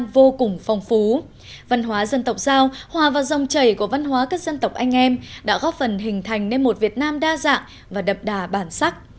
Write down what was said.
văn hóa dân tộc giao hòa vào dòng chảy của văn hóa các dân tộc anh em đã góp phần hình thành nên một việt nam đa dạng và đậm đà bản sắc